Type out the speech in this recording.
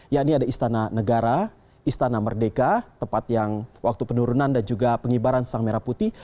yakni ada istana negara istana merdeka tepat yang waktu penurunan dan juga pengibaran sang merah putih